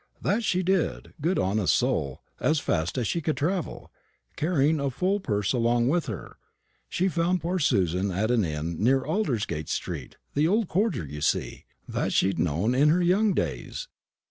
"That she did, good honest soul, as fast as she could travel, carrying a full purse along with her. She found poor Susan at an inn near Aldersgate street the old quarter, you see, that she'd known in her young days.